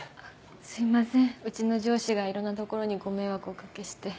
すいませんうちの上司がいろんなところにご迷惑おかけして。